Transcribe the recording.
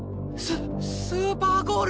ススーパーゴール！